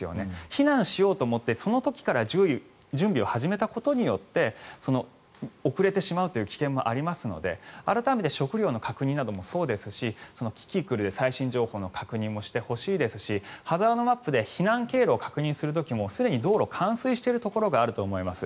避難しようと思って、その時から準備を始めたことによって遅れてしまうという危険もありますので改めて食料の確認もそうですしキキクルで最新情報の確認もしてほしいですしハザードマップで避難経路を確認する時もすでに道路が冠水しているところがあると思います。